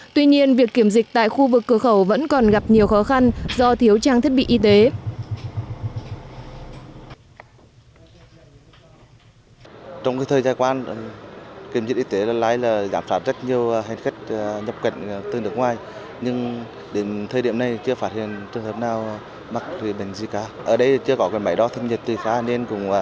tuy nhiên việc kiểm dịch tại khu vực cửa khẩu vẫn còn gặp nhiều khó khăn do thiếu trang thiết bị y tế